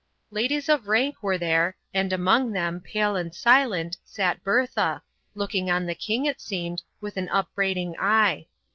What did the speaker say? Ladies of rank were there, and among them, pale and silent, sat Bertha, looking on the king, it seemed, with an upbraiding eye.